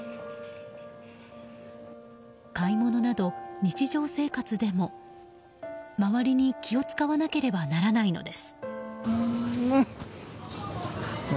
買い物など日常の生活でも周りに気を使わなければならないのです。